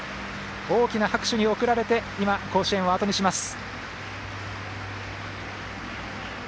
大きな拍手に送られて今、甲子園をあとにします。